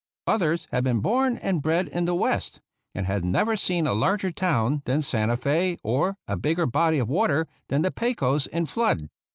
Others had been born and bred in the West, and had never seen a larger town than Santa Fe or a bigger body of water than the Pecos in flood.